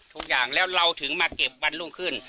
ทุกอย่างแล้วเราถึงมาเก็บวันรุ่งขึ้น